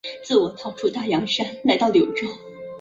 苏茂逃到下邳郡和董宪合流。